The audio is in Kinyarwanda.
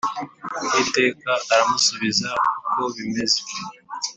Uwiteka aramusubiza uko bimeze